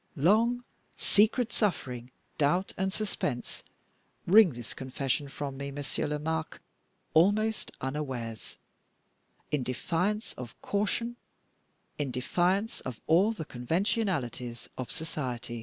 Long secret suffering, doubt, and suspense, wring this confession from me, Monsieur Lomaque, almost unawares, in defiance of caution, in defiance of all the conventionalities of society.